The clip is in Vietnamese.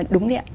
đúng đấy ạ